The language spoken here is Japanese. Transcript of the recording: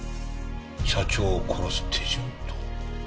社長を殺す手順と。